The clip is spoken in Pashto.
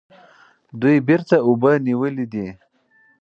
دوی بیرته اوبه نیولې دي.